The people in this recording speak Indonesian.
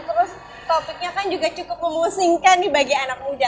terus topiknya kan juga cukup memusingkan nih bagi anak muda